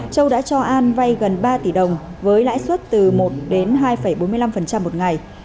châu đã cho an vay gần ba tỷ đồng với lãi suất từ một đến hai bốn mươi năm một ngày